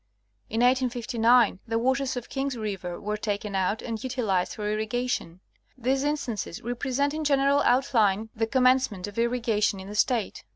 In 1859, the waters of King's river were taken out and utilized for irrigation. These instances represent in general out line the commencement of irrigation in the State.